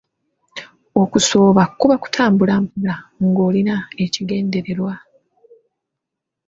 Okusooba kuba kutambula mpola ng'olina ekigendererwa.